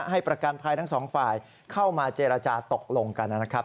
ให้ประกันภัยทั้งสองฝ่ายเข้ามาเจรจาตกลงกันนะครับ